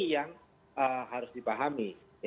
yang harus dipahami